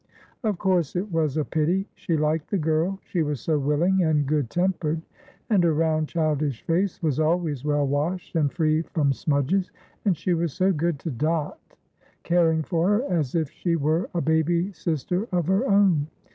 Of course it was a pity. She liked the girl, she was so willing and good tempered; and her round childish face was always well washed and free from smudges, and she was so good to Dot, caring for her as if she were a baby sister of her own.